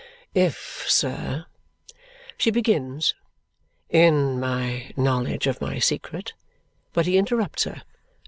"If, sir," she begins, "in my knowledge of my secret " But he interrupts her.